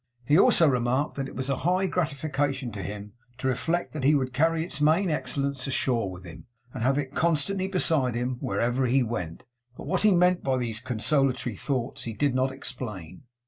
He also remarked that it was a high gratification to him to reflect that he would carry its main excellence ashore with him, and have it constantly beside him wherever he went; but what he meant by these consolatory thoughts he did not explain.